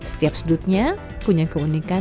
setiap sudut berwarna merah membuat kita merasa menyenangkan